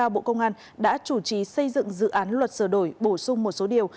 bộ công an đã chủ trì xây dựng dự án luật sửa đổi bổ sung một số điều